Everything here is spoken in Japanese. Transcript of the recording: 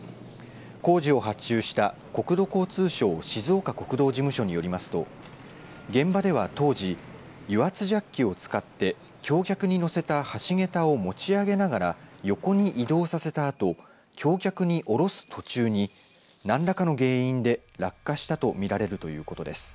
工事を発注した国土交通省静岡国道事務所によりますと現場では当時油圧ジャッキを使って橋脚に載せた橋桁を持ち上げながら横に移動させたあと橋脚に下ろす途中に何らかの原因で落下したと見られるということです。